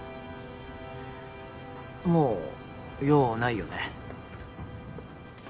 もう用ないよね？